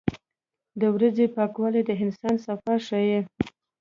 • د ورځې پاکوالی د انسان صفا ښيي.